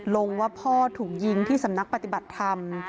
ลงว่าพ่อถูกยิงที่สำนักปฏิบัติธรรม